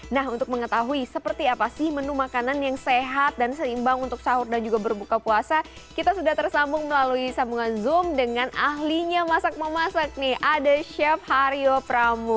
nah untuk mengetahui seperti apa sih menu makanan yang sehat dan seimbang untuk sahur dan juga berbuka puasa kita sudah tersambung melalui sambungan zoom dengan ahlinya masak memasak nih ada chef haryo pramu